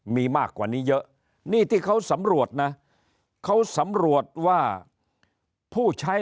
มีมากกว่านี้เยอะนี่ที่เขาสำรวจนะเขาสำรวจว่าผู้ใช้